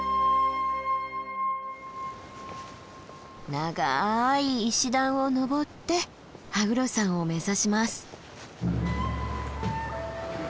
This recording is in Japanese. ながい石段を登って羽黒山を目指します。